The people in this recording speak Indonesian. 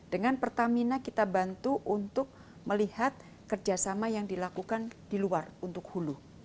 dengan pertamina kita bantu untuk melihat kerjasama yang dilakukan di luar untuk hulu